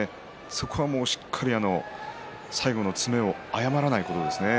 そこはもうしっかりと最後の詰めを誤らないことですね。